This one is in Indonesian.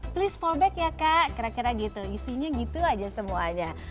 please fallback ya kak kira kira gitu isinya gitu aja semuanya